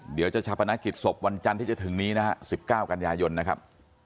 เดี๋ยวจะชาปนกิจศพวันจันทร์ที่จะถึงนี้นะฮะ๑๙กันยายนนะครับ